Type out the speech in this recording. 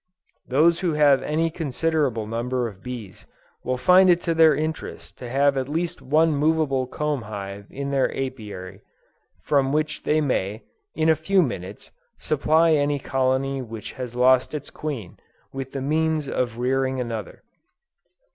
Those who have any considerable number of bees, will find it to their interest to have at least one movable comb hive in their Apiary, from which they may, in a few minutes, supply any colony which has lost its queen, with the means of rearing another.